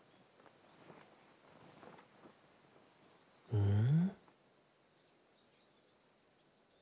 ・うん？